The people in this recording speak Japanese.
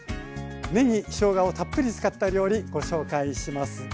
ねぎ・しょうがをたっぷり使った料理ご紹介します。